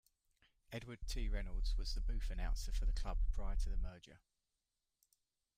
Edward T. Reynolds was the booth announcer for the club prior to the merger.